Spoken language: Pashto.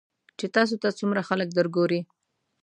چې تاسو ته څومره خلک درګوري .